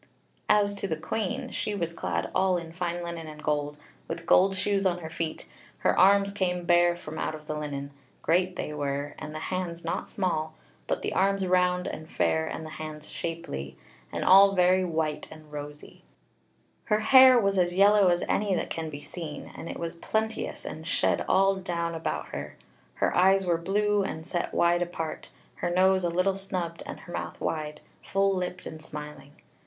As to the Queen, she was clad all in fine linen and gold, with gold shoes on her feet: her arms came bare from out of the linen: great they were, and the hands not small; but the arms round and fair, and the hands shapely, and all very white and rosy: her hair was as yellow as any that can be seen, and it was plenteous, and shed all down about her. Her eyes were blue and set wide apart, her nose a little snubbed, her mouth wide, full lipped and smiling.